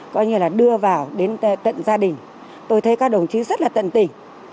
coi như là đưa vào đến tận gia đình tôi thấy các đồng chí rất là tận tình